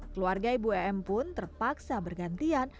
keluarga ibu em pun terpaksa bergantian